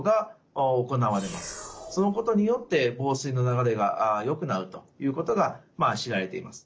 そのことによって房水の流れがよくなるということが知られています。